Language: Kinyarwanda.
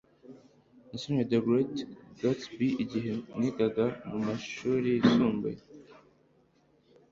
Nasomye The Great Gatsby igihe nigaga mumashuri yisumbuye